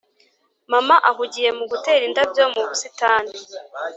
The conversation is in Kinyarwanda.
mama ahugiye mu gutera indabyo mu busitani.